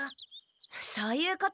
そういうことなら！